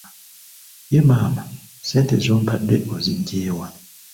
Ye maama, ssente z'ompadde ozigye wa?